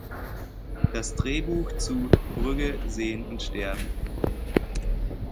Das Drehbuch zu "Brügge sehen… und sterben?